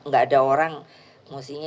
gak ada orang musuhnya